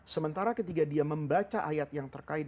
sementara ketika dia membaca ayat yang terkait